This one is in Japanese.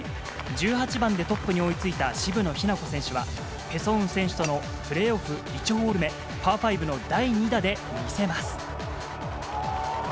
１８番でトップに追いついた渋野日向子選手は、ぺ・ソンウ選手とのプレーオフ１ホール目、パー５の第２打で見せます。